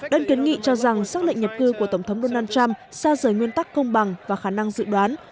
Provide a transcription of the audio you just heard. đơn kiến nghị cho rằng xác lệnh nhập cư của tổng thống donald trump xa rời nguyên tắc công bằng và khả năng dự đoán